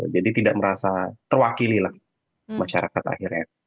jadi tidak merasa terwakili lah masyarakat akhirnya